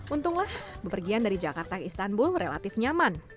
untunglah bepergian dari jakarta ke istanbul relatif nyaman